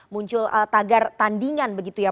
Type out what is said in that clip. muncul tagar tandingan begitu ya